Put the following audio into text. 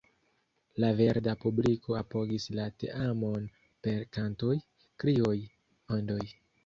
La verda publiko apogis la teamon per kantoj, krioj, ondoj.